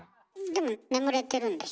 でも眠れてるんでしょ？